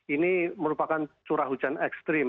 ini merupakan curah hujan ekstrim